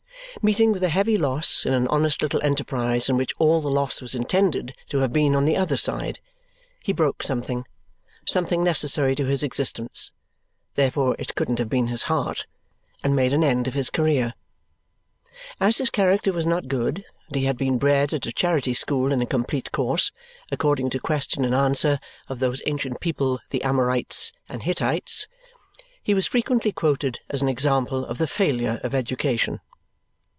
Meeting with a heavy loss in an honest little enterprise in which all the loss was intended to have been on the other side, he broke something something necessary to his existence, therefore it couldn't have been his heart and made an end of his career. As his character was not good, and he had been bred at a charity school in a complete course, according to question and answer, of those ancient people the Amorites and Hittites, he was frequently quoted as an example of the failure of education.